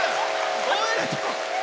おめでとう！